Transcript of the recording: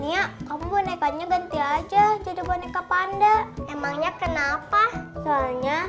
iya kamu bonekanya ganti aja jadi boneka panda emangnya kenapa soalnya